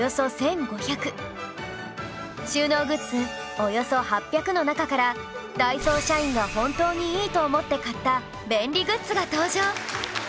このあともの中からダイソー社員が本当にいいと思って買った便利グッズが登場